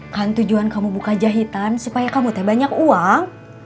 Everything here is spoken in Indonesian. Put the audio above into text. kan tujuan kamu buka jahitan supaya kamu banyak uang